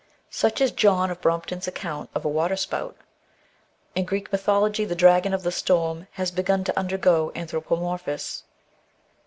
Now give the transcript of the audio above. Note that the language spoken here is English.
"* Such is John of Brompton's account of a waterspout. In Greek my thology the dragon of the storm has begun to undergo anthropomorphosis.